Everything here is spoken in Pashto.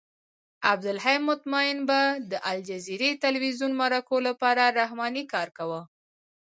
عبدالحی مطمئن به د الجزیرې تلویزیون مرکو لپاره رحماني کاراوه.